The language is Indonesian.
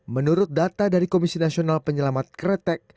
menurut data dari komisi nasional penyelamat kretek